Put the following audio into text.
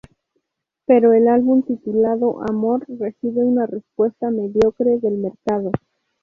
Pero el álbum titulado Amor recibe una respuesta mediocre del mercado.